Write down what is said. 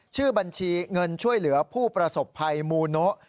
ชื่อบัญชีเงินช่วยเหลือผู้ประสบภัยมูโนะ